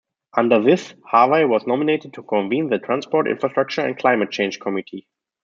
Under this, Harvie was nominated to convene the Transport, Infrastructure and Climate Change Committee.